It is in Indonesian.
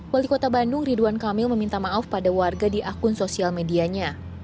wali kota bandung ridwan kamil meminta maaf pada warga di akun sosial medianya